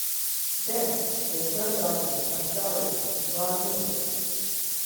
Then, their third daughter, Marjorie, was born in England.